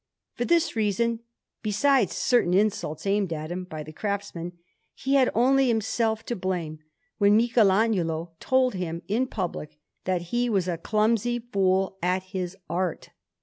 For this reason, besides certain insults aimed at him by the craftsmen, he had only himself to blame when Michelagnolo told him in public that he was a clumsy fool at his art.